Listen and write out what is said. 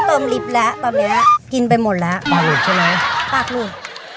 เติมลิฟต์แล้วตอนเนี้ยกินไปหมดแล้วปลาหลุดใช่ไหมปากหลุด